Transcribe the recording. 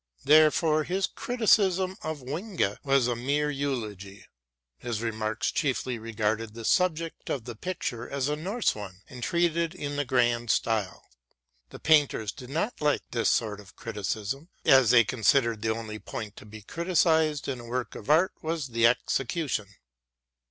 Therefore his criticism of Winge was a mere eulogy. His remarks chiefly regarded the subject of the picture as a Norse one and treated in the grand style. The painters did not like this sort of criticism, as they considered the only point to be criticised in a work of art was the execution.